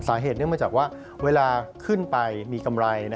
เนื่องมาจากว่าเวลาขึ้นไปมีกำไร